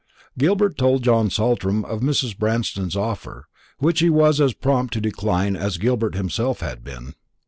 Gilbert told John Saltram of Mrs. Branston's offer, which he was as prompt to decline as Gilbert himself had been.